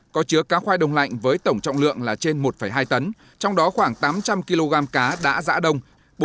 có chứa cá khoai đông lạnh với tổng trọng lượng là trên một hai tấn trong đó khoảng tám trăm linh kg cá đã giã đông